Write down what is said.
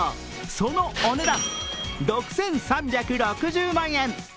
そのお値段、６３６０万円。